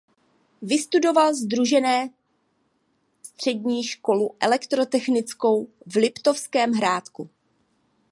Vystudoval Sdružené střední školu elektrotechnickou v Liptovském Hrádku.